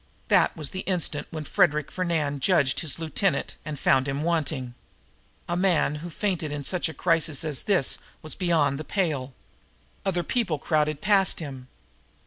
That was the instant when Frederic Fernand judged his lieutenant and found him wanting. A man who fainted in such a crisis as this was beyond the pale. Other people crowded past him.